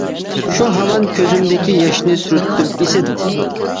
شۇ ھامان كۆزۈمدىكى ياشنى سۈرتتۈم، ئىسىت!